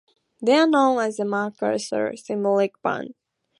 They are known as the MacArthur Symphonic Band.